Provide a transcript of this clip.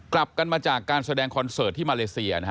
กลับกันมาจากการแสดงคอนเสิร์ตที่มาเลเซียนะฮะ